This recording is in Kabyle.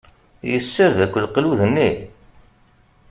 Yessared akk leqlud-nni?